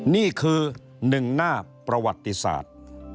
นี่คือหนึ่งหน้าประวัติศาสตร์